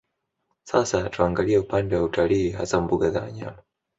Sasa tuangalie upande wa utalii hasa mbuga za wanyama